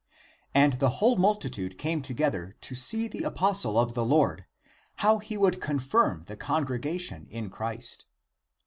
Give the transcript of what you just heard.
And the whole multi tude came together to see the apostle of the Lord, how he would confirm (the congregation) in Christ.